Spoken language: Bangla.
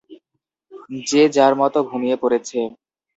যে যার মতো ঘুমিয়ে পড়েছে।